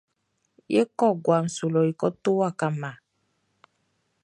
E kɔ guaʼn su lɔ e ko to waka mma.